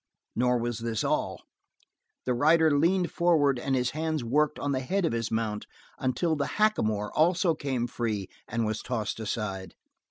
Nor was this all. The rider leaned forward and his hands worked on the head of his mount until the hackamore also came free and was tossed aside.